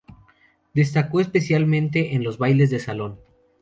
Destacó especialmente en los bailes de salón.